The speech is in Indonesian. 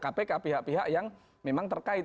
kpk pihak pihak yang memang terkait